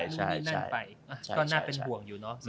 ก็น่าเป็นห่วงอยู่เนอะ